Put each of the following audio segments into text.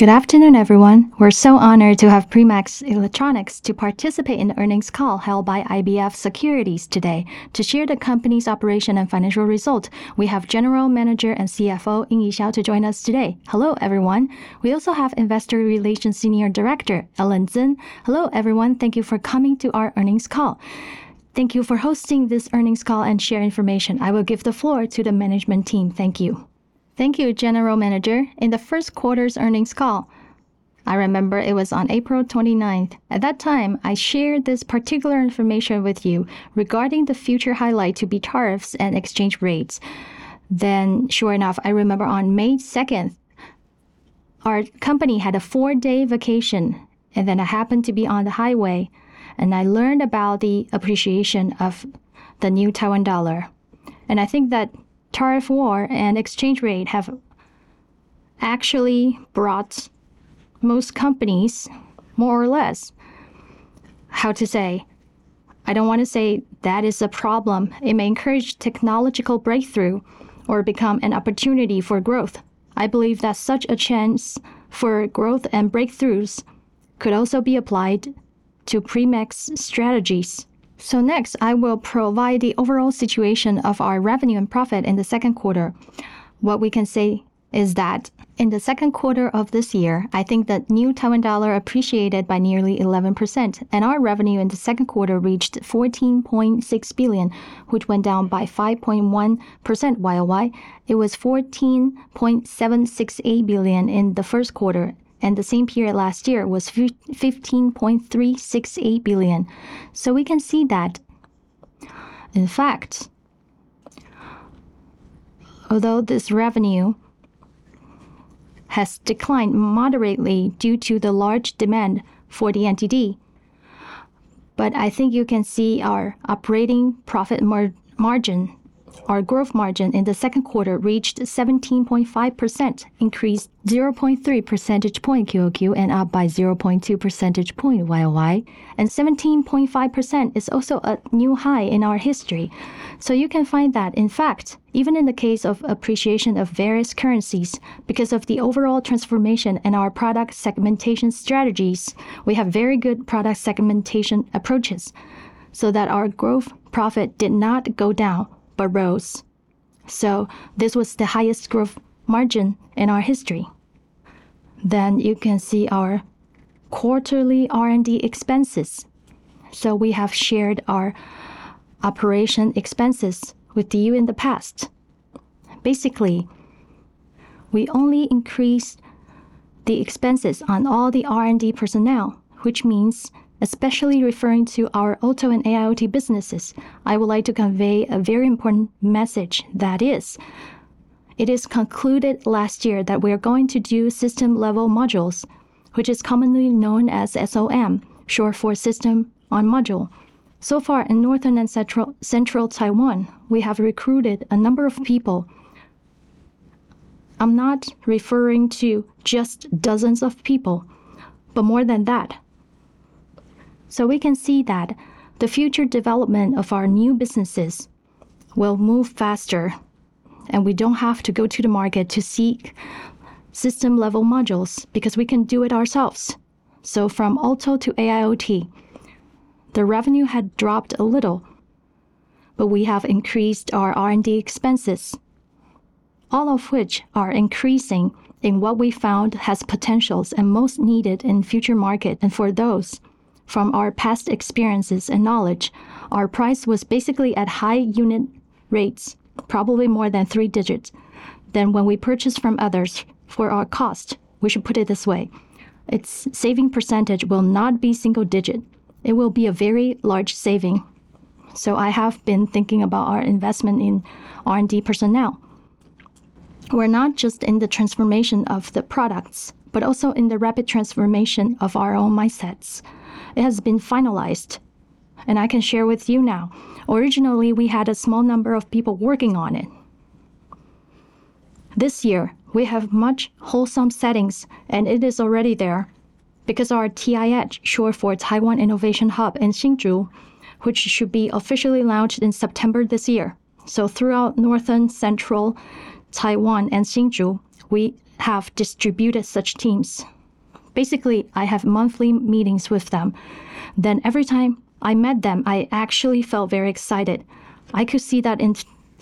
Good afternoon, everyone. We're so honored to have Primax Electronics to participate in the earnings call held by IBF Securities today. To share the company's operation and financial result, we have General Manager and CFO, Y.Y. Hsiao to join us today. Hello, everyone. We also have Investor Relations Senior Director, Ellen Tseng. Hello, everyone. Thank you for coming to our earnings call. Thank you for hosting this earnings call and share information. I will give the floor to the management team. Thank you. Thank you, General Manager. In the first quarter's earnings call, I remember it was on April 29th. At that time, I shared this particular information with you regarding the future highlight to be tariffs and exchange rates. Sure enough, I remember on May 2nd, our company had a four-day vacation, and then I happened to be on the highway, and I learned about the appreciation of the New Taiwan dollar. I think that tariff war and exchange rate have actually brought most companies more or less, how to say? I don't want to say that is a problem. It may encourage technological breakthrough or become an opportunity for growth. I believe that such a chance for growth and breakthroughs could also be applied to Primax strategies. Next, I will provide the overall situation of our revenue and profit in the Q2. What we can say is that in the Q2 of this year, I think that New Taiwan dollar appreciated by nearly 11%. Our revenue in the Q2 reached 14.6 billion, which went down by 5.1% YoY. It was 14.768 billion in the Q1. The same period last year was 15.368 billion. We can see that, in fact, although this revenue has declined moderately due to the large demand for the NTD, I think you can see our operating profit margin, our gross margin in the second quarter reached 17.5%, increased 0.3 percentage points QoQ and up by 0.2 percentage points YoY. 17.5% is also a new high in our history. You can find that, in fact, even in the case of appreciation of various currencies, because of the overall transformation in our product segmentation strategies, we have very good product segmentation approaches, so that our gross profit did not go down, but rose. This was the highest gross margin in our history. You can see our quarterly R&D expenses. We have shared our operating expenses with you in the past. Basically, we only increased the expenses on all the R&D personnel, which means especially referring to our Auto and AIoT businesses. I would like to convey a very important message. It is concluded last year that we are going to do system-level modules, which is commonly known as SOM, short for system on module. Far in Northern and Central Taiwan, we have recruited a number of people. I'm not referring to just dozens of people, but more than that. We can see that the future development of our new businesses will move faster, and we don't have to go to the market to seek system-level modules because we can do it ourselves. From Auto to AIoT, the revenue had dropped a little, but we have increased our R&D expenses, all of which are increasing in what we found has potentials and most needed in future market. For those, from our past experiences and knowledge, our price was basically at high unit rates, probably more than three digits than when we purchased from others for our cost. We should put it this way. Its saving percentage will not be single digit. It will be a very large saving. I have been thinking about our investment in R&D personnel, who are not just in the transformation of the products, but also in the rapid transformation of our own mindsets. It has been finalized, and I can share with you now. Originally, we had a small number of people working on it. This year, we have much wholesome settings, and it is already there because our TIH, short for Taiwan Innovation Hub in Hsinchu, which should be officially launched in September this year. Throughout Northern Central Taiwan and Hsinchu, we have distributed such teams. Basically, I have monthly meetings with them. Every time I met them, I actually felt very excited. I could see that in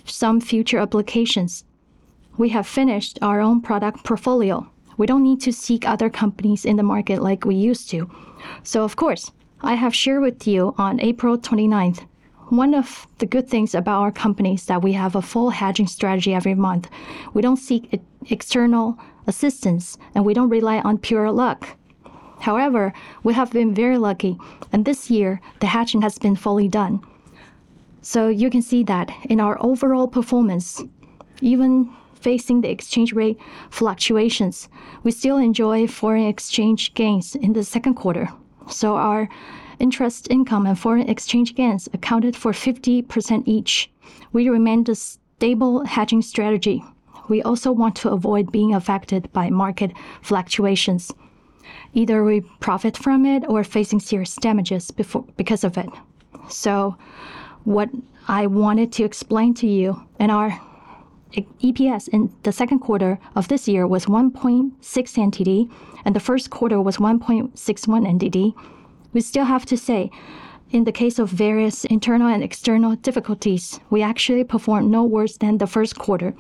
some future applications. We have finished our own product portfolio. We don't need to seek other companies in the market like we used to. Of course, I have shared with you on April 29th, one of the good things about our company is that we have a full hedging strategy every month. We don't seek external assistance, and we don't rely on pure luck. However, we have been very lucky, and this year, the hedging has been fully done. You can see that in our overall performance, even facing the exchange rate fluctuations, we still enjoy foreign exchange gains in the Q2. Our interest income and foreign exchange gains accounted for 50% each. We remain the stable hedging strategy. We also want to avoid being affected by market fluctuations. Either we profit from it or facing serious damages because of it. What I wanted to explain to you in our EPS in the second quarter of this year was NTD 1.6, and the Q1 was NTD 1.61. We still have to say, in the case of various internal and external difficulties, we actually performed no worse than the Q1.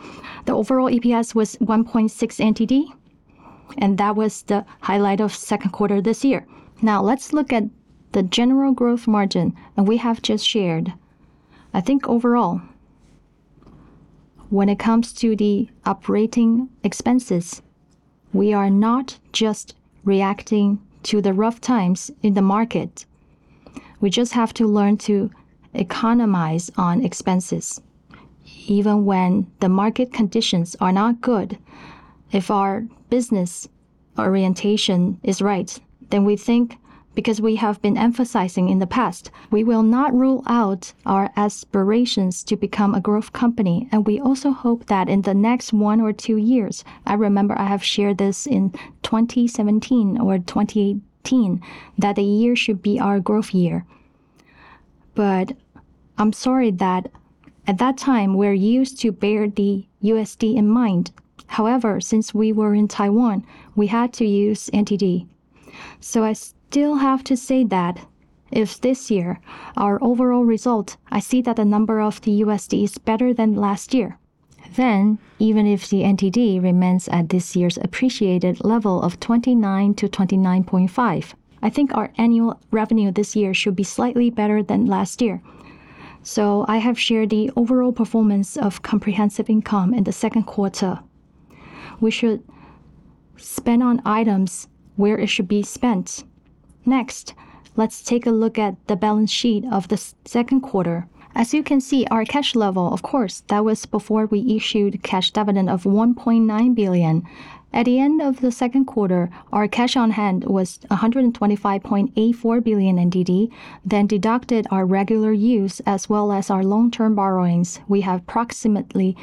The overall EPS was NTD 1.6, and that was the highlight of Q2 this year. Let's look at the general gross margin that we have just shared. I think overall, when it comes to the operating expenses, we are not just reacting to the rough times in the market. We just have to learn to economize on expenses even when the market conditions are not good. If our business orientation is right, we think because we have been emphasizing in the past, we will not rule out our aspirations to become a growth company. We also hope that in the next one or two years, I remember I have shared this in 2017 or 2018, that the year should be our growth year. I am sorry that at that time, we used to bear the USD in mind. However, since we were in Taiwan, we had to use NTD. I still have to say that if this year our overall result, I see that the number of the USD is better than last year, even if the NTD remains at this year's appreciated level of NTD 29-NTD 29.5, I think our annual revenue this year should be slightly better than last year. I have shared the overall performance of comprehensive income in the Q2. We should spend on items where it should be spent. Let's take a look at the balance sheet of the Q2. Our cash level, of course, that was before we issued cash dividend of 1.9 billion. At the end of the Q2, our cash on hand was 125.84 billion, then deducted our regular use as well as our long-term borrowings. We have approximately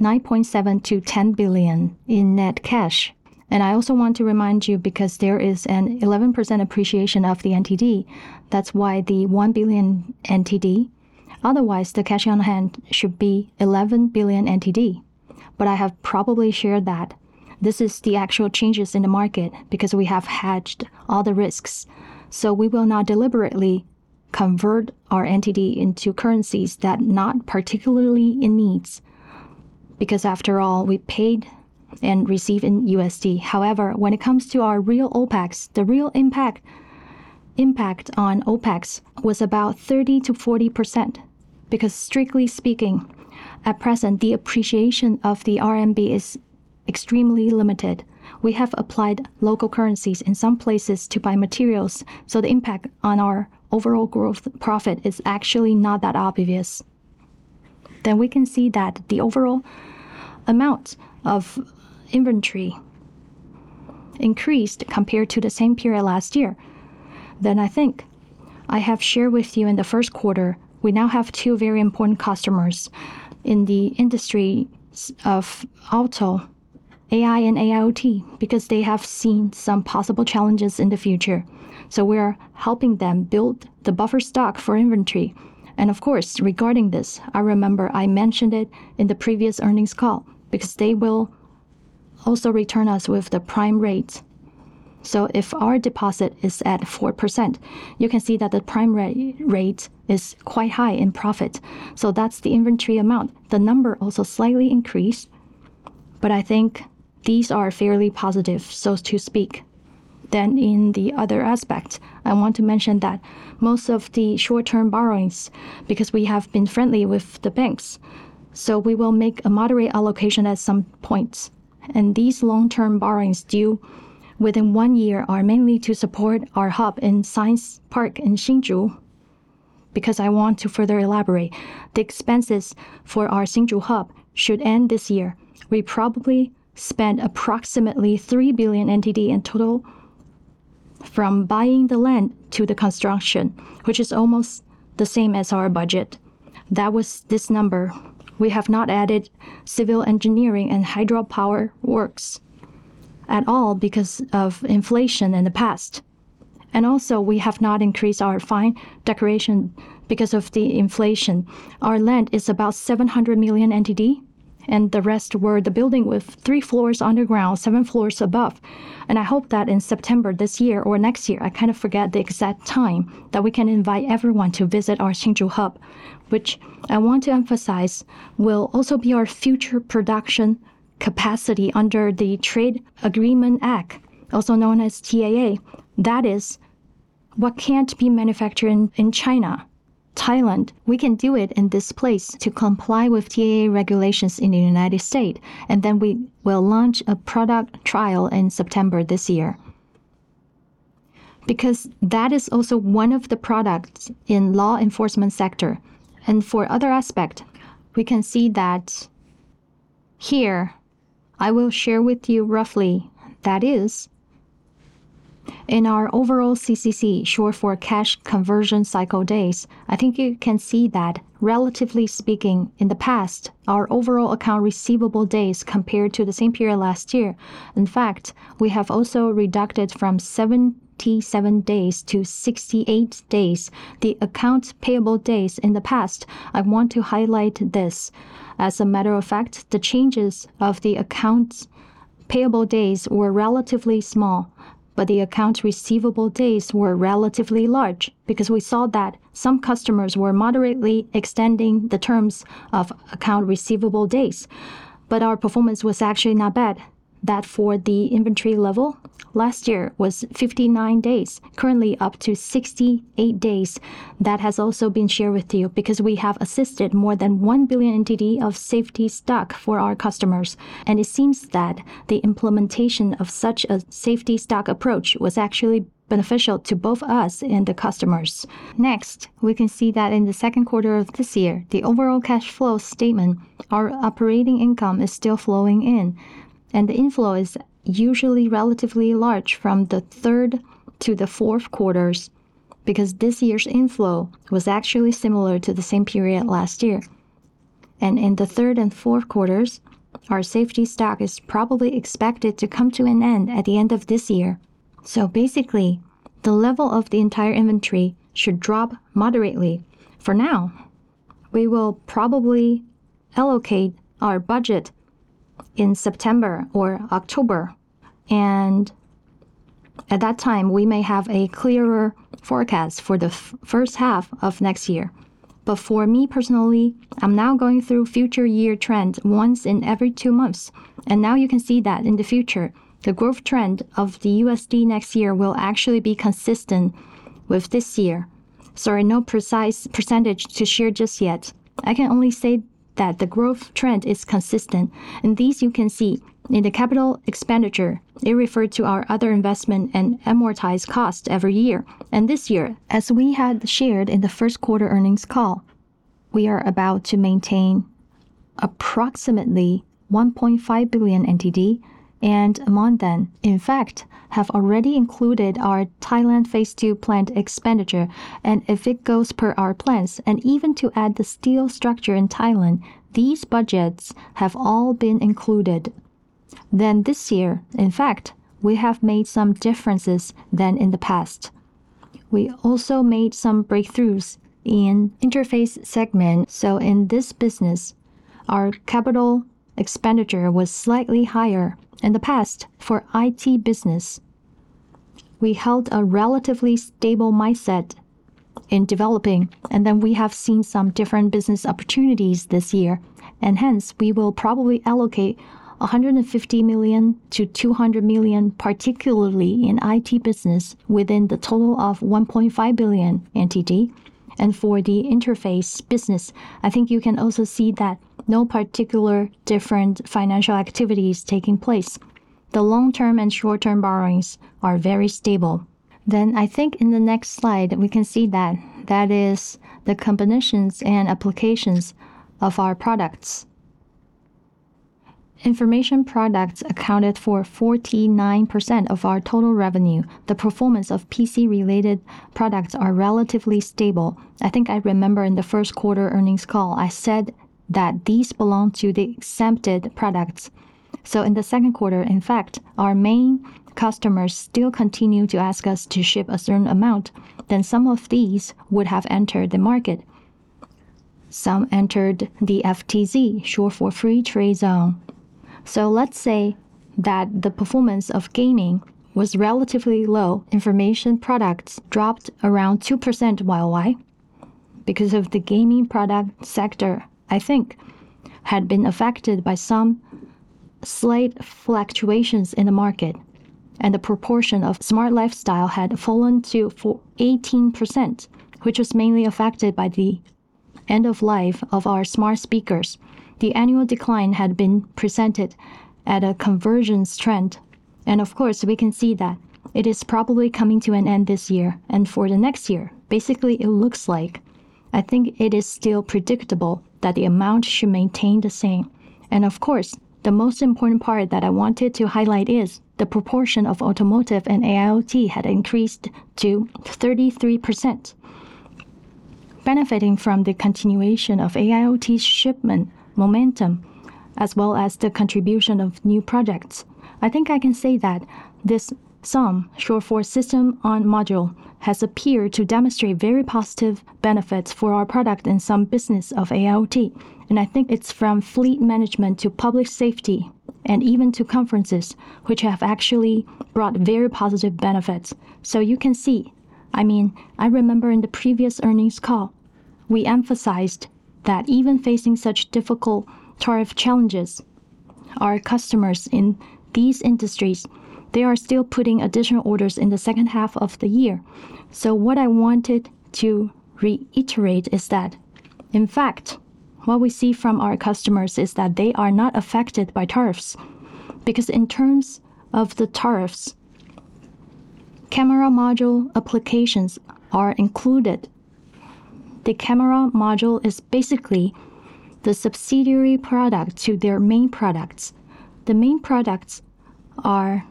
9.7 billion-10 billion in net cash. I also want to remind you, because there is an 11% appreciation of the NTD, that's why the 1 billion. Otherwise, the cash on hand should be 11 billion. I have probably shared that this is the actual changes in the market because we have hedged all the risks. We will not deliberately convert our NTD into currencies that not particularly in needs, because after all, we paid and receive in USD. When it comes to our real OpEx, the real impact on OpEx was about 30%-40%, because strictly speaking, at present, the appreciation of the RMB is extremely limited. We have applied local currencies in some places to buy materials, so the impact on our overall gross profit is actually not that obvious. We can see that the overall amount of inventory increased compared to the same period last year. I think I have shared with you in the Q1, we now have two very important customers in the industry of Auto, AI, and AIoT because they have seen some possible challenges in the future. We are helping them build the buffer stock for inventory. Of course, regarding this, I remember I mentioned it in the previous earnings call because they will also return us with the prime rate. If our deposit is at 4%, you can see that the prime rate is quite high in profit. That's the inventory amount. The number also slightly increased, but I think these are fairly positive, so to speak. In the other aspect, I want to mention that most of the short-term borrowings, because we have been friendly with the banks, so we will make a moderate allocation at some point. These long-term borrowings due within one year are mainly to support our hub in Science Park in Hsinchu, because I want to further elaborate. The expenses for our Hsinchu hub should end this year. We probably spent approximately 3 billion in total from buying the land to the construction, which is almost the same as our budget. That was this number. We have not added civil engineering and hydropower works at all because of inflation in the past. Also, we have not increased our fine decoration because of the inflation. Our land is about 700 million, and the rest were the building with three floors underground, seven floors above. I hope that in September this year or next year, I kind of forget the exact time, that we can invite everyone to visit our Hsinchu hub, which I want to emphasize will also be our future production capacity under the Trade Agreements Act, also known as TAA. That is what can't be manufactured in China, Thailand, we can do it in this place to comply with TAA regulations in the United States. We will launch a product trial in September this year. That is also one of the products in law enforcement sector. For other aspect, we can see that here I will share with you roughly that is in our overall CCC, short for cash conversion cycle days, I think you can see that relatively speaking, in the past, our overall account receivable days compared to the same period last year. In fact, we have also reduced from 77 days to 68 days. The accounts payable days in the past, I want to highlight this. As a matter of fact, the changes of the accounts payable days were relatively small, but the accounts receivable days were relatively large because we saw that some customers were moderately extending the terms of account receivable days. Our performance was actually not bad, that for the inventory level, last year was 59 days, currently up to 68 days. That has also been shared with you because we have assisted more than NTD 1 billion of safety stock for our customers, and it seems that the implementation of such a safety stock approach was actually beneficial to both us and the customers. We can see that in the Q2 of this year, the overall cash flow statement, our operating income is still flowing in, the inflow is usually relatively large from the Q3 and Q4 because this year's inflow was actually similar to the same period last year. In the Q3 and Q4, our safety stock is probably expected to come to an end at the end of this year. Basically, the level of the entire inventory should drop moderately. For now, we will probably allocate our budget in September or October, and at that time, we may have a clearer forecast for the first half of next year. For me personally, I'm now going through future year trends once in every two months. Now you can see that in the future, the growth trend of the USD next year will actually be consistent with this year. Sorry, no precise percentage to share just yet. I can only say that the growth trend is consistent. These you can see in the capital expenditure, it referred to our other investment and amortized cost every year. This year, as we had shared in the Q1 earnings call, we are about to maintain approximately 1.5 billion, and among them, in fact, have already included our Thailand Phase II plant expenditure, and if it goes per our plans, and even to add the steel structure in Thailand, these budgets have all been included. This year, in fact, we have made some differences than in the past. We also made some breakthroughs in interface segment. In this business, our capital expenditure was slightly higher. In the past, for IT business, we held a relatively stable mindset in developing, and then we have seen some different business opportunities this year. Hence, we will probably allocate NTD 150 million-NTD 200 million particularly in IT business, within the total of NTD 1.5 billion. For the interface business, I think you can also see that no particular different financial activities taking place. The long-term and short-term borrowings are very stable. I think in the next slide, we can see that that is the combinations and applications of our products. Information Products accounted for 49% of our total revenue. The performance of PC related products are relatively stable. I think I remember in the Q1 earnings call, I said that these belong to the exempted products. In the Q2, in fact, our main customers still continue to ask us to ship a certain amount. Some of these would have entered the market. Some entered the FTZ, short for free trade zone. Let's say that the performance of gaming was relatively low. Information Products dropped around 2% YoY because of the gaming product sector, I think had been affected by some slight fluctuations in the market, and the proportion of Smart Lifestyle had fallen to 18%, which was mainly affected by the end of life of our smart speakers. The annual decline had been presented at a convergence trend. Of course, we can see that it is probably coming to an end this year and for the next year. Basically, it looks like, I think it is still predictable that the amount should maintain the same. Of course, the most important part that I wanted to highlight is the proportion of Automotive and AIoT had increased to 33%. Benefiting from the continuation of AIoT shipment momentum, as well as the contribution of new projects, I think I can say that this SOM, short for system on module, has appeared to demonstrate very positive benefits for our product in some business of AIoT. I think it's from fleet management to public safety and even to conferences, which have actually brought very positive benefits. You can see, I mean, I remember in the previous earnings call, we emphasized that even facing such difficult tariff challenges, our customers in these industries, they are still putting additional orders in the second half of the year. What I wanted to reiterate is that, in fact, what we see from our customers is that they are not affected by tariffs, because in terms of the tariffs, camera module applications are included. The camera module is basically the subsidiary product to their main products. The main products are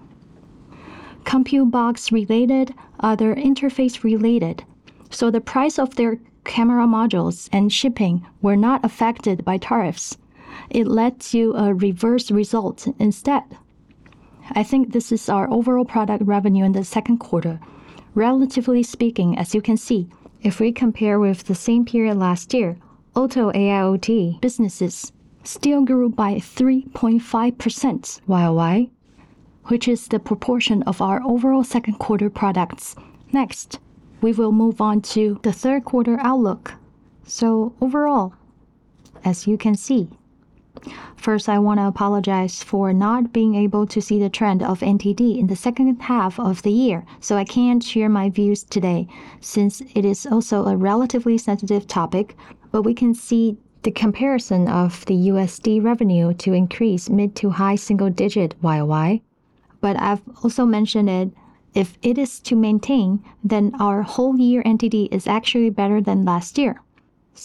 Compute Box related, other interface related. The price of their camera modules and shipping were not affected by tariffs. It led to a reverse result instead. I think this is our overall product revenue in the Q2. Relatively speaking, as you can see, if we compare with the same period last year, Auto AIoT businesses still grew by 3.5% YoY, which is the proportion of our overall Q2 products. Next, we will move on to the third quarter outlook. Overall, as you can see, first I wanna apologize for not being able to see the trend of NTD in the H2 of the year, so I can't share my views today since it is also a relatively sensitive topic. We can see the comparison of the USD revenue to increase mid-to-high single-digit YoY. I've also mentioned it, if it is to maintain, then our whole year NTD is actually better than last year.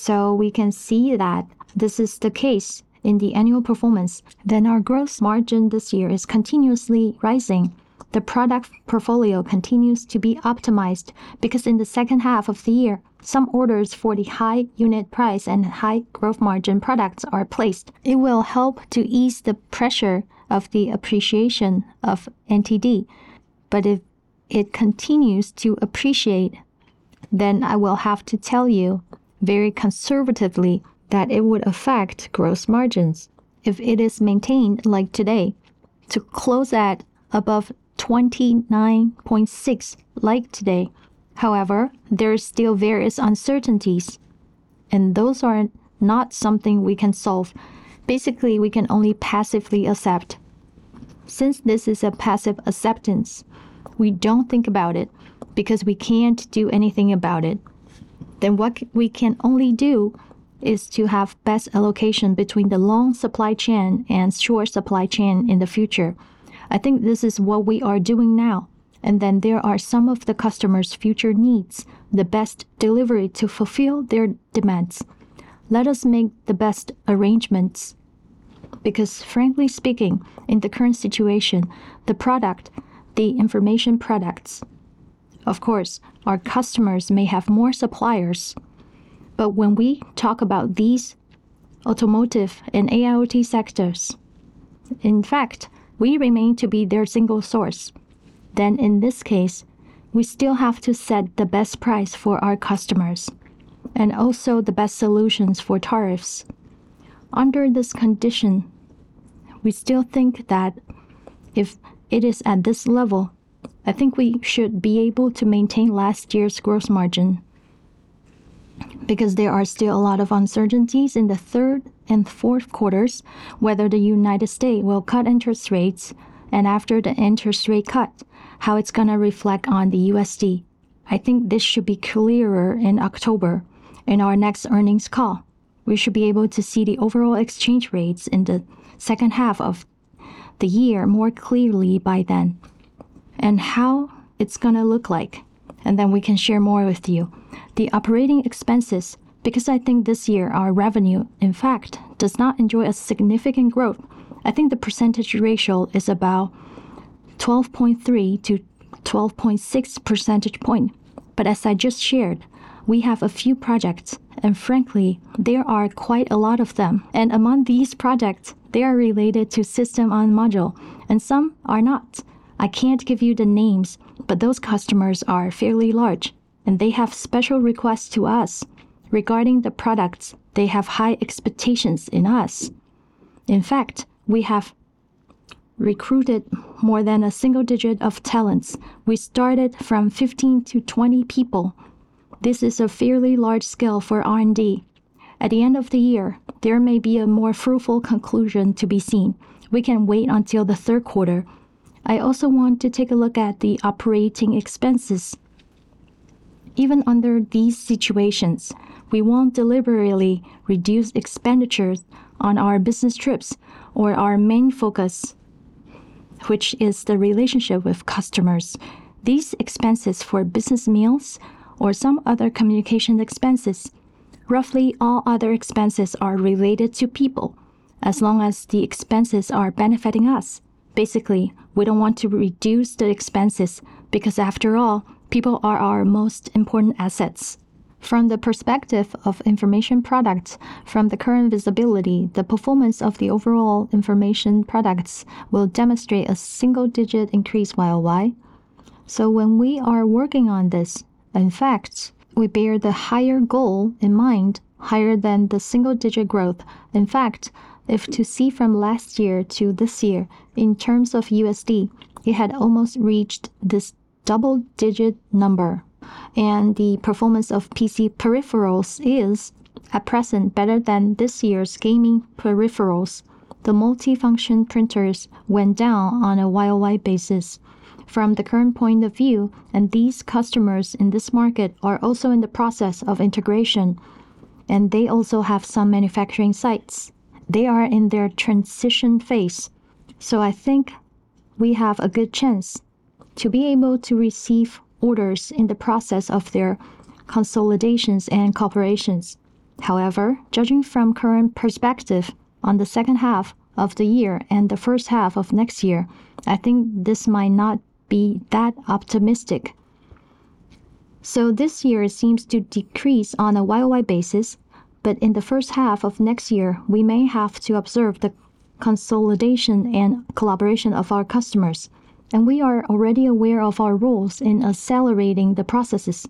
We can see that this is the case in the annual performance. Our gross margin this year is continuously rising. The product portfolio continues to be optimized because in the H2 of the year, some orders for the high unit price and high gross margin products are placed. It will help to ease the pressure of the appreciation of NTD. If it continues to appreciate, then I will have to tell you very conservatively that it would affect gross margins. If it is maintained like today, to close at above 29.6, like today. However, there are still various uncertainties, and those are not something we can solve. Basically, we can only passively accept. Since this is a passive acceptance, we don't think about it because we can't do anything about it. What we can only do is to have best allocation between the long supply chain and short supply chain in the future. I think this is what we are doing now. There are some of the customers' future needs, the best delivery to fulfill their demands. Let us make the best arrangements. Frankly speaking, in the current situation, the product, the Information Products, of course, our customers may have more suppliers. When we talk about these Automotive and AIoT sectors, in fact, we remain to be their single source. In this case, we still have to set the best price for our customers and also the best solutions for tariffs. Under this condition, we still think that if it is at this level, I think we should be able to maintain last year's gross margin because there are still a lot of uncertainties in the third and fourth quarters, whether the U.S. will cut interest rates, and after the interest rate cut, how it's going to reflect on the USD. I think this should be clearer in October in our next earnings call. We should be able to see the overall exchange rates in the second half of the year more clearly by then, and how it's going to look like, and then we can share more with you. The operating expenses, because I think this year our revenue, in fact, does not enjoy a significant growth. I think the percentage ratio is about 12.3 percentage points-12.6 percentage points. As I just shared, we have a few projects, and frankly, there are quite a lot of them. Among these projects, they are related to system on module, and some are not. I can't give you the names, but those customers are fairly large, and they have special requests to us regarding the products. They have high expectations in us. In fact, we have recruited more than a single digit of talents. We started from 15-20 people. This is a fairly large scale for R&D. At the end of the year, there may be a more fruitful conclusion to be seen. We can wait until the Q3. I also want to take a look at the operating expenses. Even under these situations, we won't deliberately reduce expenditures on our business trips or our main focus, which is the relationship with customers. These expenses for business meals or some other communication expenses, roughly all other expenses are related to people as long as the expenses are benefiting us. Basically, we don't want to reduce the expenses because after all, people are our most important assets. From the perspective of Information Products, from the current visibility, the performance of the overall Information Products will demonstrate a single-digit increase YoY. When we are working on this, in fact, we bear the higher goal in mind, higher than the single-digit growth. In fact, if to see from last year to this year, in terms of USD, it had almost reached this double-digit number. The performance of PC peripherals is at present better than this year's gaming peripherals. The multifunction printers went down on a YoY basis. From the current point of view, these customers in this market are also in the process of integration. And they also have some manufacturing sites. They are in their transition phase. I think we have a good chance to be able to receive orders in the process of their consolidations and cooperations. However, judging from current perspective on the second half of the year and the first half of next year, I think this might not be that optimistic. This year it seems to decrease on a YoY basis, but in the first half of next year, we may have to observe the consolidation and collaboration of our customers, and we are already aware of our roles in accelerating the processes.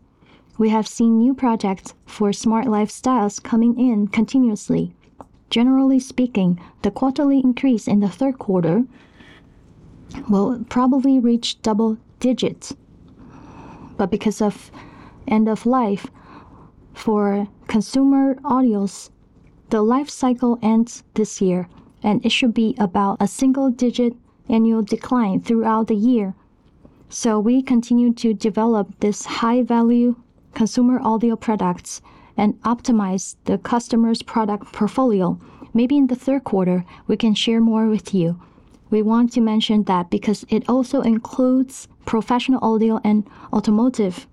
We have seen new projects for Smart Lifestyle coming in continuously. Generally speaking, the quarterly increase in the Q3 will probably reach double digits. Because of end of life for consumer audios, the life cycle ends this year, and it should be about a single digit annual decline throughout the year. We continue to develop this high value consumer audio products and optimize the customer's product portfolio. Maybe in the third quarter, we can share more with you. We want to mention that because it also includes professional audio and automotive.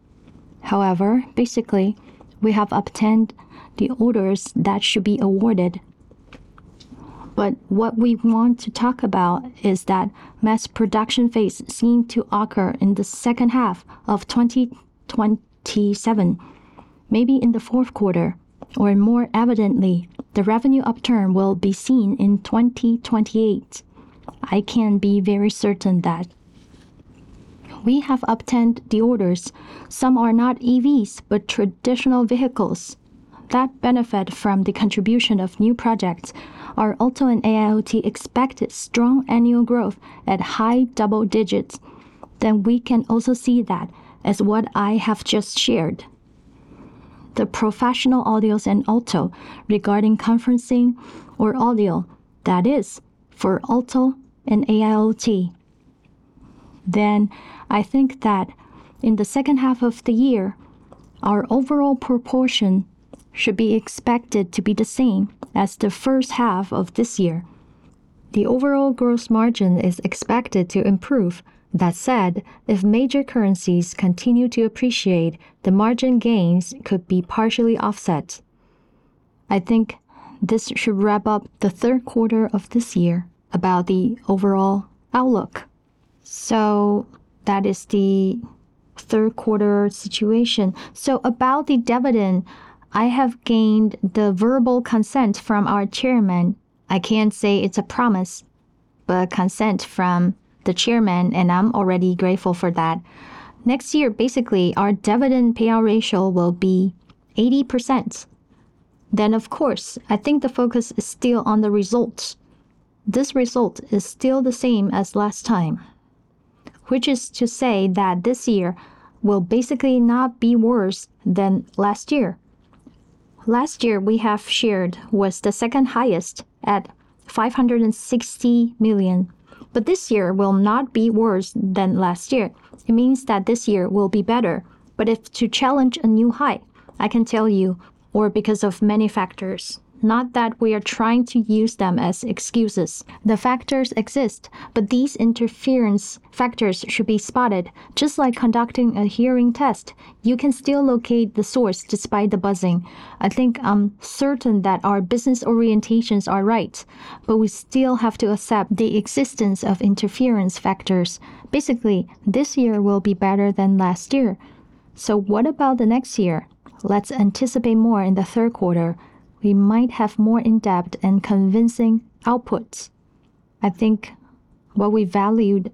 Basically, we have obtained the orders that should be awarded. What we want to talk about is that mass production phase seem to occur in the second half of 2027, maybe in the Q4, or more evidently, the revenue upturn will be seen in 2028. I can be very certain that we have obtained the orders. Some are not EVs, but traditional vehicles that benefit from the contribution of new projects are also an AIoT expected strong annual growth at high double digits. We can also see that as what I have just shared. The professional audios and Auto regarding conferencing or audio, that is for Auto and AIoT. I think that in the H2, our overall proportion should be expected to be the same as the H1 of this year. The overall gross margin is expected to improve. That said, if major currencies continue to appreciate, the margin gains could be partially offset. I think this should wrap up the Q3 of this year about the overall outlook. That is Q3 situation. About the dividend, I have gained the verbal consent from our chairman. I can't say it's a promise, but consent from the chairman, and I'm already grateful for that. Next year, basically, our dividend payout ratio will be 80%. Of course, I think the focus is still on the results. This result is still the same as last time, which is to say that this year will basically not be worse than last year. Last year, we have shared was the second highest at 560 million. This year will not be worse than last year. It means that this year will be better. If to challenge a new height, I can tell you or because of many factors, not that we are trying to use them as excuses. The factors exist, but these interference factors should be spotted. Just like conducting a hearing test, you can still locate the source despite the buzzing. I think I'm certain that our business orientations are right, we still have to accept the existence of interference factors. Basically, this year will be better than last year. What about the next year? Let's anticipate more in the third quarter. We might have more in-depth and convincing outputs. I think what we valued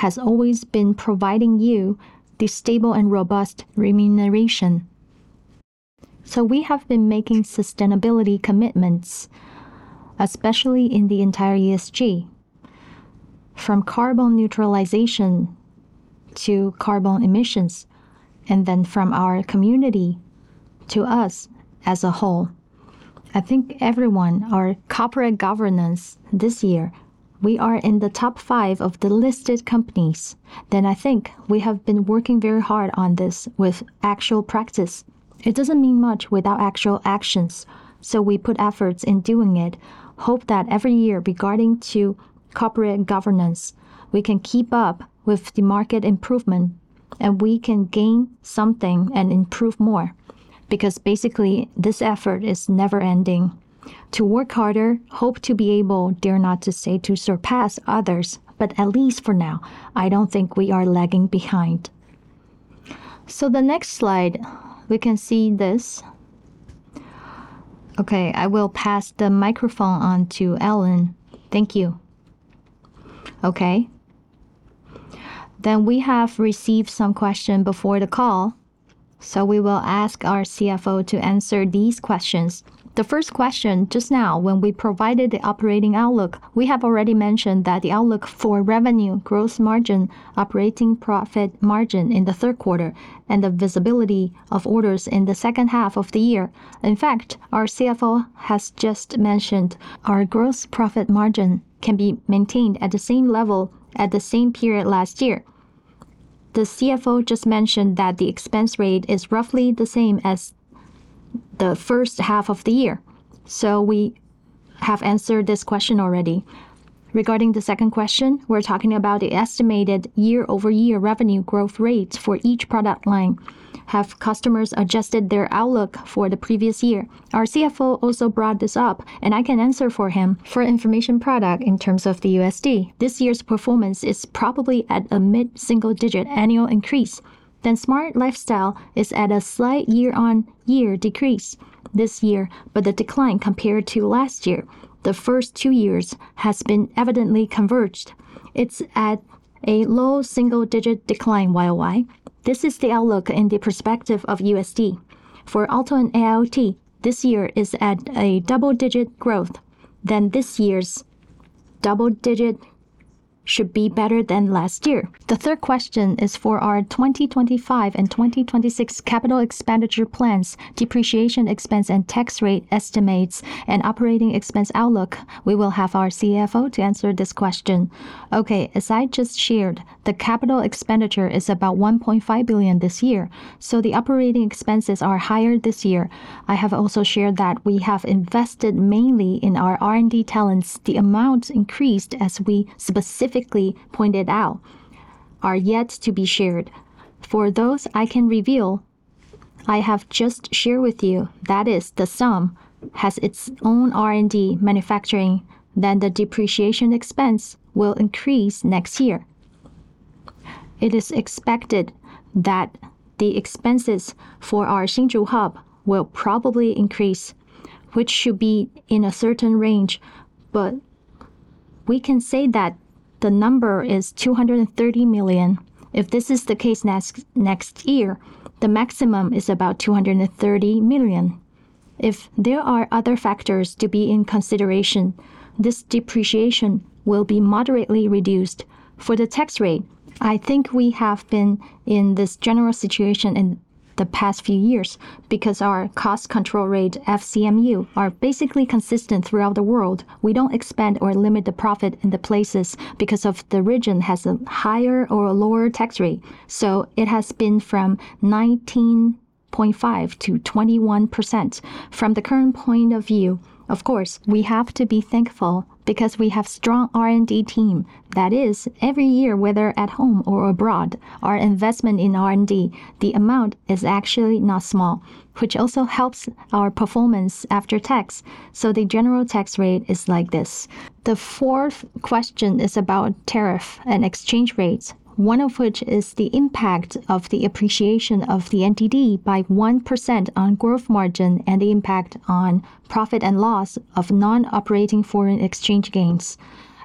has always been providing you the stable and robust remuneration. We have been making sustainability commitments, especially in the entire ESG, from carbon neutralization to carbon emissions, from our community to us as a whole. I think everyone, our corporate governance this year, we are in the top five of the listed companies. I think we have been working very hard on this with actual practice. It doesn't mean much without actual actions. We put efforts in doing it. Hope that every year, regarding to corporate governance, we can keep up with the market improvement, and we can gain something and improve more because basically, this effort is never ending. To work harder, hope to be able, dare not to say to surpass others, but at least for now, I don't think we are lagging behind. The next slide, we can see this. I will pass the microphone on to Ellen. Thank you. We have received some questions before the call. We will ask our CFO to answer these questions. The first question, just now, when we provided the operating outlook, we have already mentioned that the outlook for revenue, gross margin, operating profit margin in the Q3 and the visibility of orders in the H2 of the year. In fact, our CFO has just mentioned our gross profit margin can be maintained at the same level at the same period last year. The CFO just mentioned that the expense rate is roughly the same as the H1 of the year. We have answered this question already. Regarding the second question, we're talking about the estimated year-over-year revenue growth rates for each product line. Have customers adjusted their outlook for the previous year? Our CFO also brought this up, and I can answer for him. For information product in terms of the USD, this year's performance is probably at a mid-single-digit annual increase. Smart Lifestyle is at a slight year-on-year decrease this year, but the decline compared to last year, the first two years has been evidently converged. It's at a low single-digit decline YOY. This is the outlook in the perspective of USD. For Auto and AIoT, this year is at a double-digit growth. This year's double-digit should be better than last year. The third question is for our 2025 and 2026 capital expenditure plans, depreciation expense, and tax rate estimates, and operating expense outlook. We will have our CFO to answer this question. As I just shared, the capital expenditure is about 1.5 billion this year, so the operating expenses are higher this year. I have also shared that we have invested mainly in our R&D talents. The amounts increased as we specifically pointed out are yet to be shared. For those I can reveal, I have just shared with you, that is the SOM, has its own R&D manufacturing, then the depreciation expense will increase next year. It is expected that the expenses for our Hsinchu hub will probably increase, which should be in a certain range, but we can say that the number is 230 million. If this is the case next year, the maximum is about 230 million. If there are other factors to be in consideration, this depreciation will be moderately reduced. For the tax rate, I think we have been in this general situation in the past few years because our cost control rate, FCMU, are basically consistent throughout the world. We don't expand or limit the profit in the places because of the region has a higher or a lower tax rate. It has been from 19.5%-21%. From the current point of view, of course, we have to be thankful because we have strong R&D team. That is every year, whether at home or abroad, our investment in R&D, the amount is actually not small, which also helps our performance after tax. The general tax rate is like this. The fourth question is about tariff and exchange rates, one of which is the impact of the appreciation of the NTD by 1% on gross margin and the impact on profit and loss of non-operating foreign exchange gains.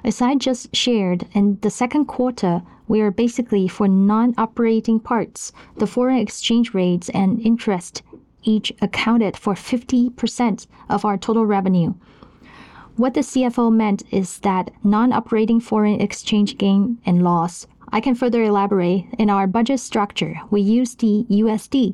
As I just shared, in the Q2, we are basically for non-operating parts. The foreign exchange rates and interest each accounted for 50% of our total revenue. What the CFO meant is that non-operating foreign exchange gain and loss, I can further elaborate. In our budget structure, we use the USD,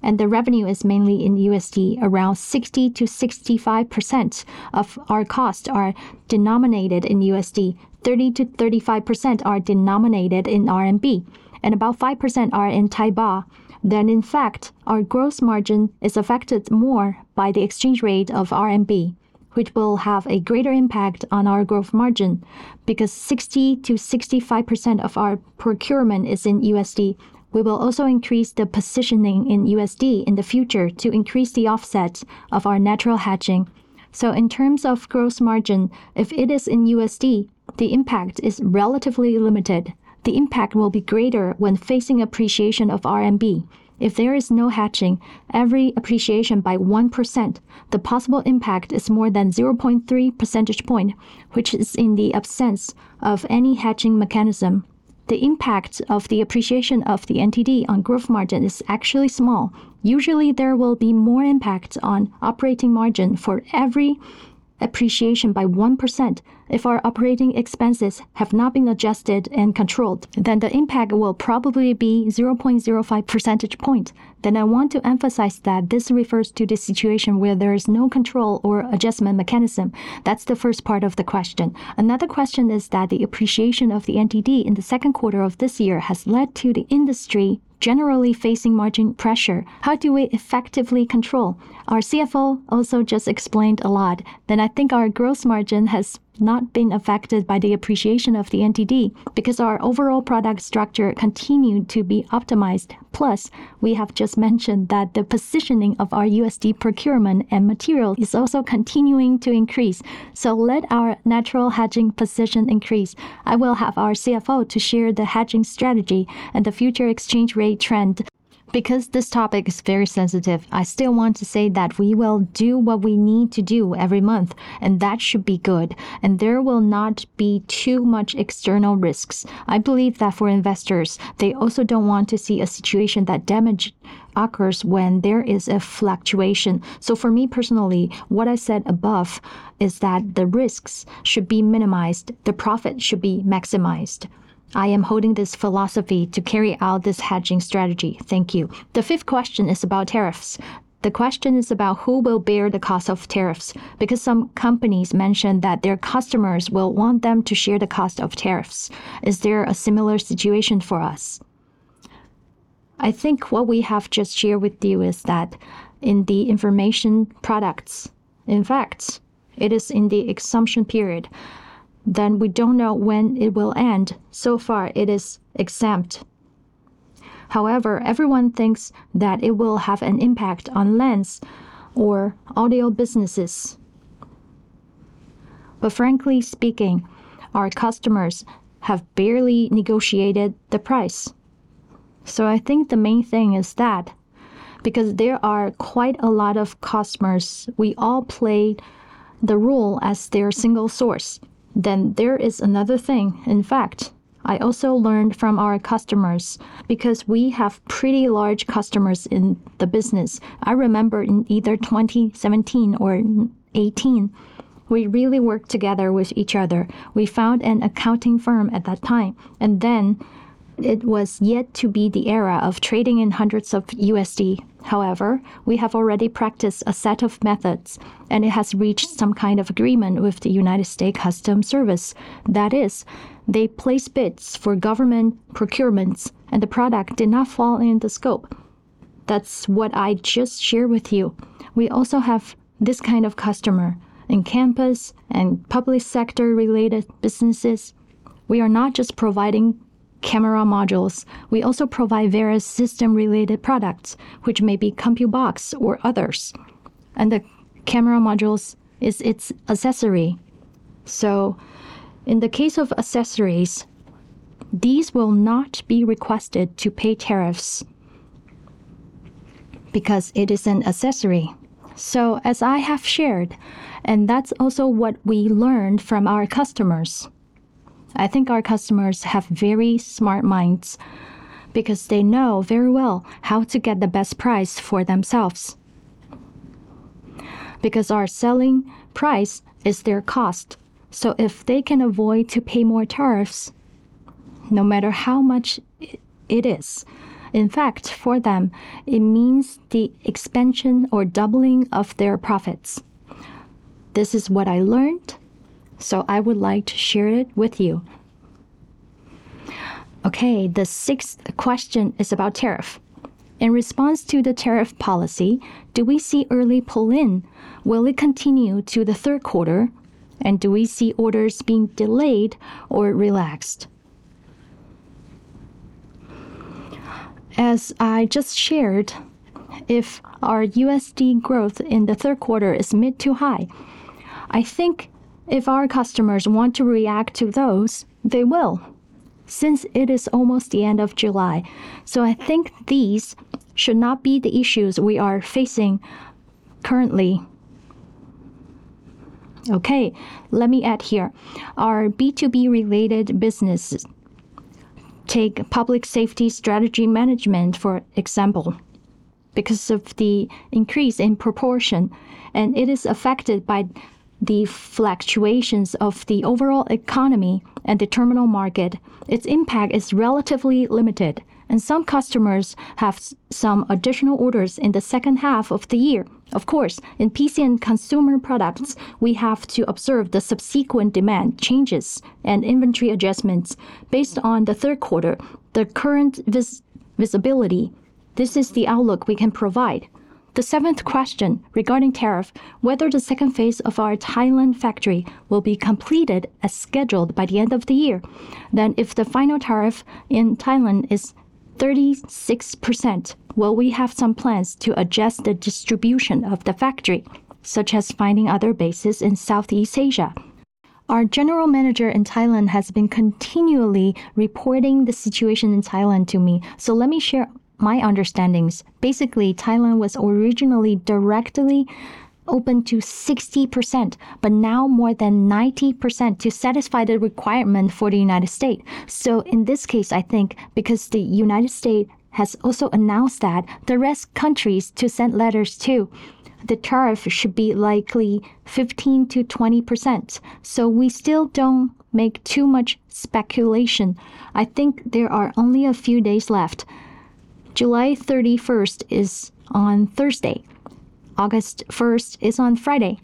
and the revenue is mainly in USD. Around 60%-65% of our costs are denominated in USD. 30%-35% are denominated in RMB, and about 5% are in Thai baht. In fact, our gross margin is affected more by the exchange rate of RMB, which will have a greater impact on our gross margin because 60%-65% of our procurement is in USD. We will also increase the positioning in USD in the future to increase the offset of our natural hedging. In terms of gross margin, if it is in USD, the impact is relatively limited. The impact will be greater when facing appreciation of RMB. If there is no hedging, every appreciation by 1%, the possible impact is more than 0.3 percentage points, which is in the absence of any hedging mechanism. The impact of the appreciation of the NTD on gross margin is actually small. Usually, there will be more impact on operating margin for every appreciation by 1%. If our operating expenses have not been adjusted and controlled, the impact will probably be 0.05 percentage points. I want to emphasize that this refers to the situation where there is no control or adjustment mechanism. That's the first part of the question. Another question is that the appreciation of the NTD in the Q2 of this year has led to the industry generally facing margin pressure. How do we effectively control? Our CFO also just explained a lot. I think our gross margin has not been affected by the appreciation of the NTD because our overall product structure continued to be optimized. We have just mentioned that the positioning of our USD procurement and material is also continuing to increase. Let our natural hedging position increase. I will have our CFO to share the hedging strategy and the future exchange rate trend. Because this topic is very sensitive, I still want to say that we will do what we need to do every month, and that should be good, and there will not be too much external risks. I believe that for investors, they also don't want to see a situation that damage occurs when there is a fluctuation. For me personally, what I said above is that the risks should be minimized, the profit should be maximized. I am holding this philosophy to carry out this hedging strategy. Thank you. The fifth question is about tariffs. The question is about who will bear the cost of tariffs, because some companies mentioned that their customers will want them to share the cost of tariffs. Is there a similar situation for us? I think what we have just shared with you is that in the Information Products, in fact, it is in the exemption period. We don't know when it will end. So far it is exempt. However, everyone thinks that it will have an impact on lens or audio businesses. Frankly speaking, our customers have barely negotiated the price. I think the main thing is that because there are quite a lot of customers, we all play the role as their single source. There is another thing, in fact, I also learned from our customers, because we have pretty large customers in the business. I remember in either 2017 or 2018, we really worked together with each other. We found an accounting firm at that time, and then it was yet to be the era of trading in hundreds of USD. However, we have already practiced a set of methods, and it has reached some kind of agreement with the United States Customs Service. That is, they place bids for government procurements, and the product did not fall in the scope. That's what I just shared with you. We also have this kind of customer in campus and public sector related businesses. We are not just providing camera modules, we also provide various system related products, which may be Compute Box or others. The camera modules is its accessory. In the case of accessories, these will not be requested to pay tariffs because it is an accessory. As I have shared, and that's also what we learned from our customers, I think our customers have very smart minds because they know very well how to get the best price for themselves. Because our selling price is their cost, so if they can avoid to pay more tariffs, no matter how much it is, in fact, for them, it means the expansion or doubling of their profits. This is what I learned, so I would like to share it with you. Okay, the sixth question is about tariff. In response to the tariff policy, do we see early pull-in? Will it continue to the third quarter? Do we see orders being delayed or relaxed? As I just shared, if our USD growth in the Q3 is mid to high, I think if our customers want to react to those, they will, since it is almost the end of July. I think these should not be the issues we are facing currently. Okay, let me add here. Our B2B related businesses take public safety strategy management, for example. Because of the increase in proportion, and it is affected by the fluctuations of the overall economy and the terminal market, its impact is relatively limited, and some customers have some additional orders in the H2. Of course, in PC and consumer products, we have to observe the subsequent demand changes and inventory adjustments based on the Q3, the current visibility. This is the outlook we can provide. The seventh question regarding tariff, whether the phase II of our Thailand factory will be completed as scheduled by the end of the year. If the final tariff in Thailand is 36%, will we have some plans to adjust the distribution of the factory, such as finding other bases in Southeast Asia? Our general manager in Thailand has been continually reporting the situation in Thailand to me. Let me share my understandings. Basically, Thailand was originally directly open to 60%, but now more than 90% to satisfy the requirement for the United States. In this case, I think because the United States has also announced that the rest countries to send letters to, the tariff should be likely 15%-20%. We still don't make too much speculation. I think there are only a few days left. July 31st is on Thursday. August 1st is on Friday.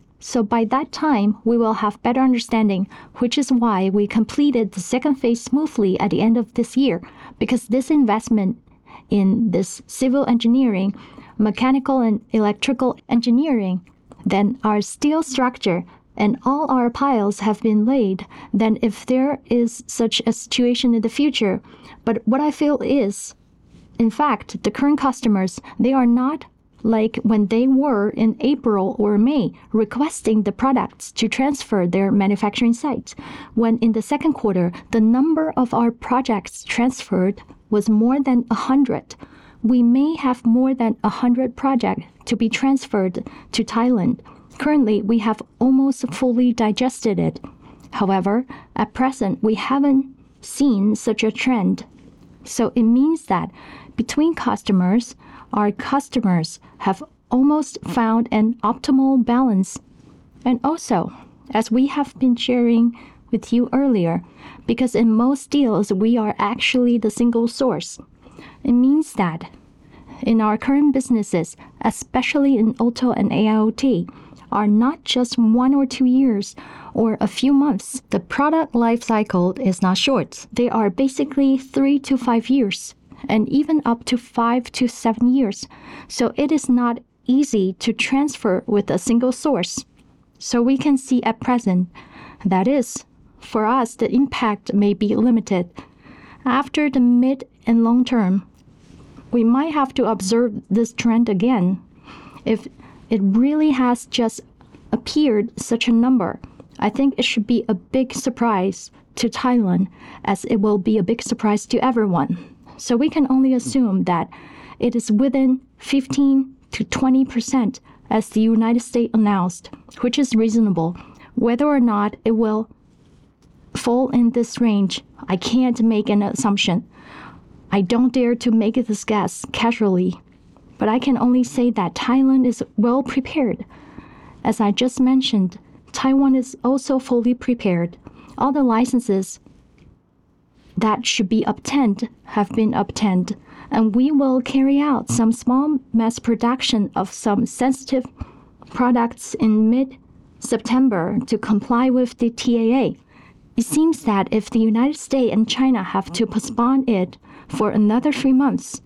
By that time, we will have better understanding, which is why we completed the phase II smoothly at the end of this year. This investment in this civil engineering, mechanical and electrical engineering, then our steel structure and all our piles have been laid, then if there is such a situation in the future. What I feel is, in fact, the current customers, they are not like when they were in April or May, requesting the products to transfer their manufacturing site. When in the Q2, the number of our projects transferred was more than 100. We may have more than 100 projects to be transferred to Thailand. Currently, we have almost fully digested it. However, at present, we haven't seen such a trend. It means that between customers, our customers have almost found an optimal balance. Also, as we have been sharing with you earlier, because in most deals, we are actually the single source. It means that in our current businesses, especially in Auto and AIoT, are not just one or two years or a few months. The product life cycle is not short. They are basically three-five years, and even up to five-seven years. It is not easy to transfer with a single source. We can see at present, that is, for us, the impact may be limited. After the mid and long term, we might have to observe this trend again. If it really has just appeared such a number, I think it should be a big surprise to Taiwan as it will be a big surprise to everyone. We can only assume that it is within 15%-20% as the United States announced, which is reasonable. Whether or not it will fall in this range, I can't make an assumption. I don't dare to make this guess casually, I can only say that Taiwan is well prepared. As I just mentioned, Taiwan is also fully prepared. All the licenses that should be obtained have been obtained, we will carry out some small mass production of some sensitive products in mid-September to comply with the TAA. It seems that if the United States and China have to postpone it for another three months,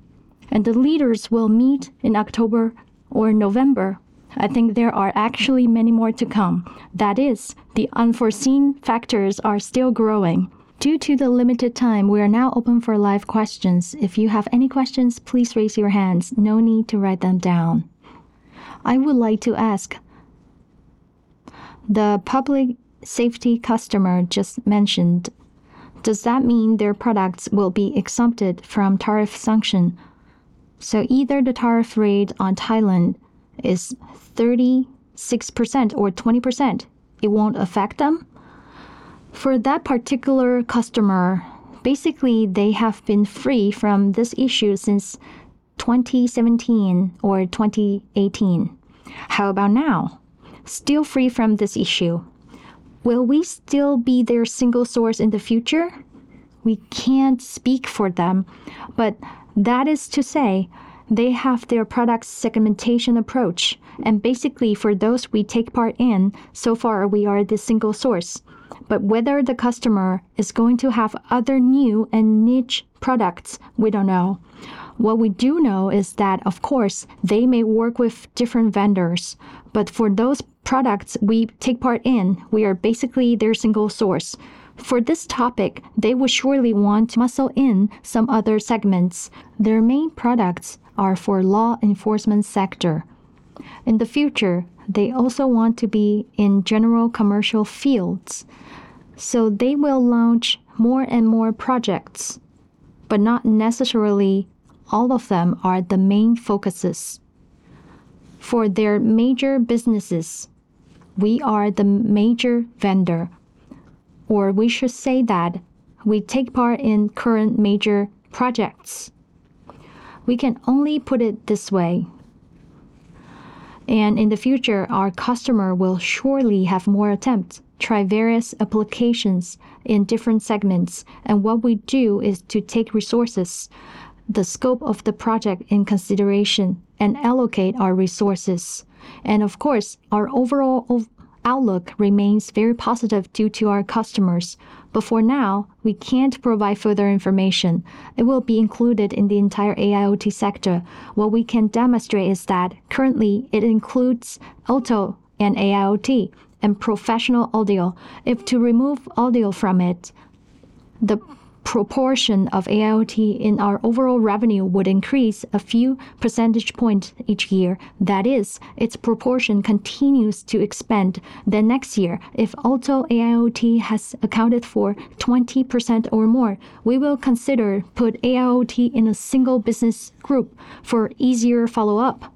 the leaders will meet in October or November, I think there are actually many more to come. That is, the unforeseen factors are still growing. Due to the limited time, we are now open for live questions. If you have any questions, please raise your hands. No need to write them down. I would like to ask, the public safety customer just mentioned, does that mean their products will be exempted from tariff sanction? Either the tariff rate on Thailand is 36% or 20%, it won't affect them? For that particular customer, basically, they have been free from this issue since 2017 or 2018. How about now? Still free from this issue. Will we still be their single source in the future? We can't speak for them, but that is to say they have their product segmentation approach, and basically for those we take part in, so far we are the single source. Whether the customer is going to have other new and niche products, we don't know. What we do know is that, of course, they may work with different vendors, but for those products we take part in, we are basically their single source. For this topic, they will surely want to muscle in some other segments. Their main products are for law enforcement sector. In the future, they also want to be in general commercial fields, they will launch more and more projects, but not necessarily all of them are the main focuses. For their major businesses, we are the major vendor, or we should say that we take part in current major projects. We can only put it this way. In the future, our customer will surely have more attempts, try various applications in different segments, and what we do is to take resources, the scope of the project in consideration, and allocate our resources. Of course, our overall outlook remains very positive due to our customers. For now, we can't provide further information. It will be included in the entire AIoT sector. What we can demonstrate is that currently it includes Auto and AIoT and professional audio. If to remove audio from it, the proportion of AIoT in our overall revenue would increase a few percentage points each year. That is, its proportion continues to expand. Next year, if Auto AIoT has accounted for 20% or more, we will consider put AIoT in a single business group for easier follow-up.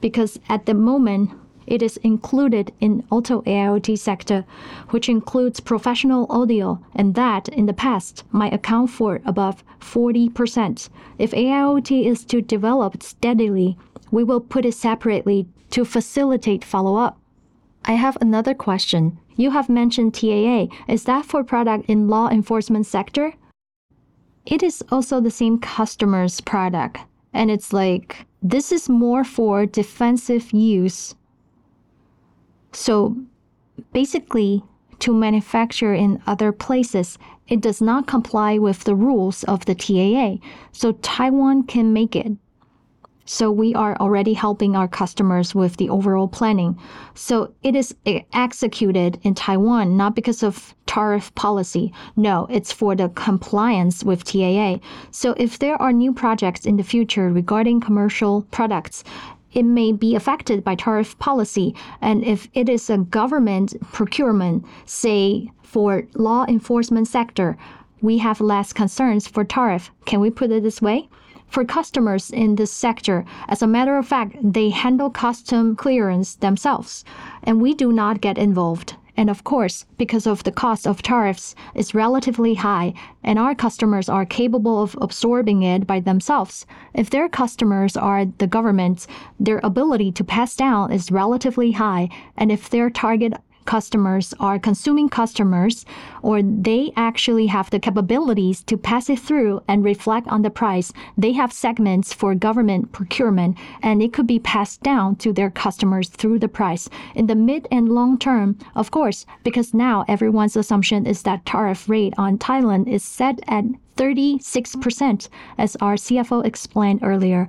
Because at the moment it is included in Auto AIoT sector, which includes professional audio, and that in the past might account for above 40%. If AIoT is to develop steadily, we will put it separately to facilitate follow-up. I have another question. You have mentioned TAA. Is that for product in law enforcement sector? It is also the same customer's product, and it's like this is more for defensive use. Basically, to manufacture in other places, it does not comply with the rules of the TAA. Taiwan can make it. We are already helping our customers with the overall planning. It is executed in Taiwan, not because of tariff policy. No, it's for the compliance with TAA. If there are new projects in the future regarding commercial products, it may be affected by tariff policy, and if it is a government procurement, say for law enforcement sector, we have less concerns for tariff. Can we put it this way? For customers in this sector, as a matter of fact, they handle customs clearance themselves, and we do not get involved. Of course, because of the cost of tariffs is relatively high, and our customers are capable of absorbing it by themselves. If their customers are the government, their ability to pass down is relatively high, and if their target customers are consuming customers or they actually have the capabilities to pass it through and reflect on the price, they have segments for government procurement, and it could be passed down to their customers through the price. In the mid and long term, of course, because now everyone's assumption is that tariff rate on Thailand is set at 36%, as our CFO explained earlier,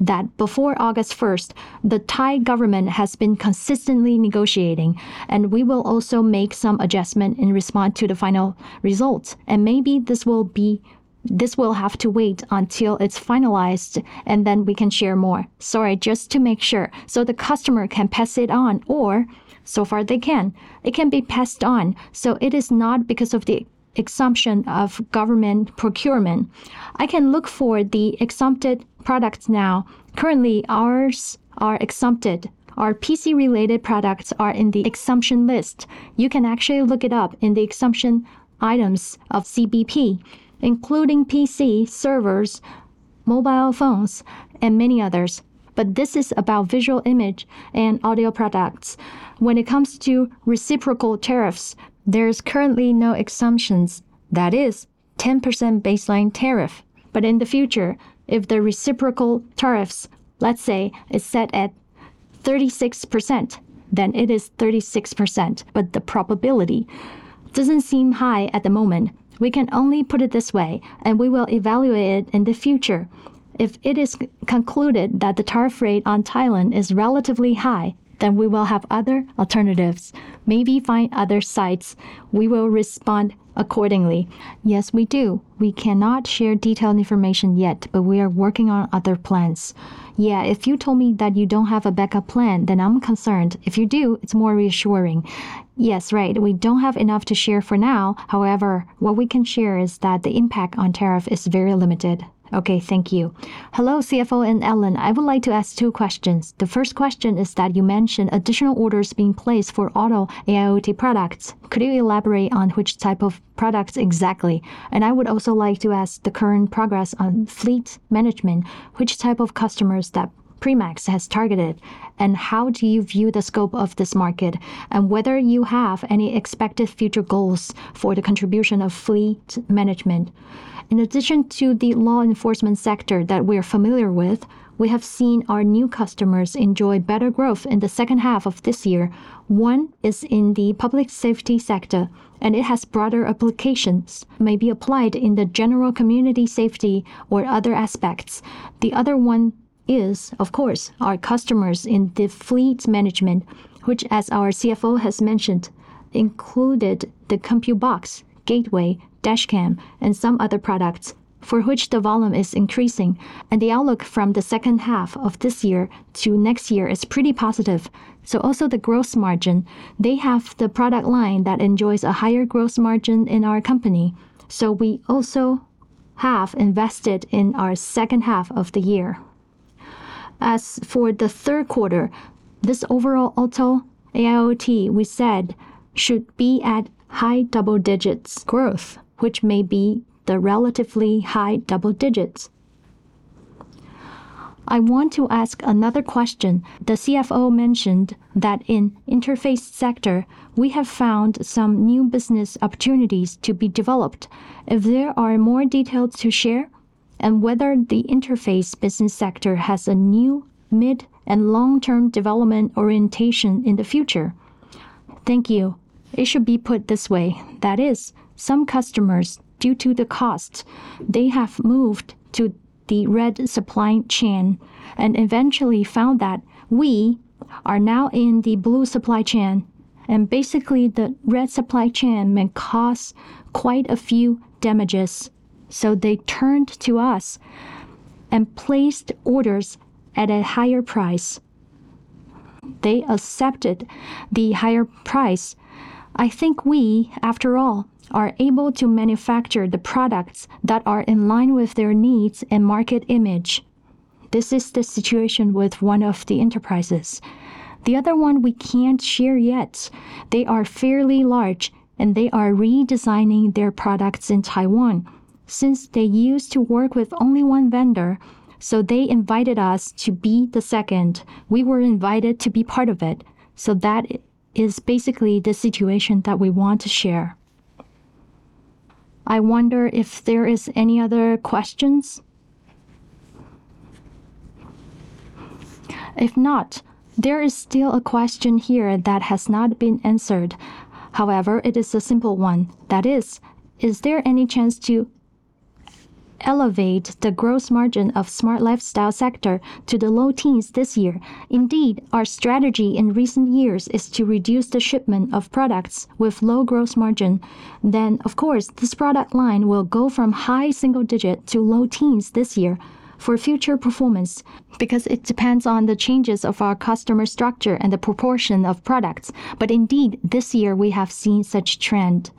that before 01/08, the Thai government has been consistently negotiating, and we will also make some adjustment in response to the final results. Maybe this will have to wait until it's finalized, and then we can share more. Sorry, just to make sure. The customer can pass it on or so far they can. It can be passed on, so it is not because of the exemption of government procurement. I can look for the exempted products now. Currently, ours are exempted. Our PC-related products are in the exemption list. You can actually look it up in the exemption items of CBP, including PC, servers, mobile phones, and many others. This is about visual image and audio products. When it comes to reciprocal tariffs, there is currently no exemptions. That is 10% baseline tariff. In the future, if the reciprocal tariffs, let's say, is set at 36%, then it is 36%, but the probability doesn't seem high at the moment. We can only put it this way, and we will evaluate it in the future. If it is concluded that the tariff rate on Thailand is relatively high, then we will have other alternatives, maybe find other sites. We will respond accordingly. Yes, we do. We cannot share detailed information yet, but we are working on other plans. If you told me that you don't have a backup plan, then I'm concerned. If you do, it's more reassuring. Yes, right. We don't have enough to share for now. What we can share is that the impact on tariff is very limited. Okay, thank you. Hello, CFO and Ellen. I would like to ask two questions. The first question is that you mentioned additional orders being placed for Auto AIoT products. Could you elaborate on which type of products exactly? I would also like to ask the current progress on fleet management, which type of customers that Primax has targeted, and how do you view the scope of this market, and whether you have any expected future goals for the contribution of fleet management. In addition to the law enforcement sector that we are familiar with, we have seen our new customers enjoy better growth in the second half of this year. One is in the public safety sector, and it has broader applications, may be applied in the general community safety or other aspects. The other one is, of course, our customers in the fleet management, which as our CFO has mentioned, included the Compute Box, Gateway, Dashcam, and some other products for which the volume is increasing. The outlook from the second half of this year to next year is pretty positive. Also the gross margin, they have the product line that enjoys a higher gross margin in our company. We also have invested in our H2 of the year. As for the Q3, this overall Auto AIoT, we said, should be at high double digits growth, which may be the relatively high double digits. I want to ask another question. The CFO mentioned that in interface sector, we have found some new business opportunities to be developed. If there are more details to share, and whether the interface business sector has a new mid and long-term development orientation in the future. Thank you. It should be put this way. That is, some customers, due to the cost, they have moved to the red supply chain and eventually found that we are now in the blue supply chain. Basically, the red supply chain may cause quite a few damages. They turned to us and placed orders at a higher price. They accepted the higher price. I think we, after all, are able to manufacture the products that are in line with their needs and market image. This is the situation with one of the enterprises. The other one we can't share yet. They are fairly large, and they are redesigning their products in Taiwan. Since they used to work with only one vendor, so they invited us to be the second. We were invited to be part of it. That is basically the situation that we want to share. I wonder if there is any other questions. If not, there is still a question here that has not been answered. However, it is a simple one. Is there any chance to elevate the gross margin of Smart Lifestyle sector to the low teens this year? Our strategy in recent years is to reduce the shipment of products with low gross margin. Of course, this product line will go from high single digit to low teens this year. For future performance, because it depends on the changes of our customer structure and the proportion of products. This year we have seen such trend.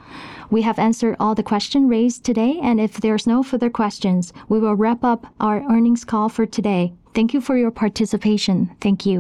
We have answered all the question raised today, and if there's no further questions, we will wrap up our earnings call for today. Thank you for your participation. Thank you.